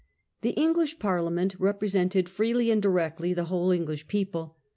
The English Parliament represented freely and directly the whole English people.